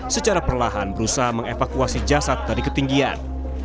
secara perlahan berusaha mengevakuasi jasad dari ketinggian